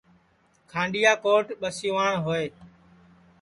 کھانڈؔیا کوٹ ٻسیوان ہوئے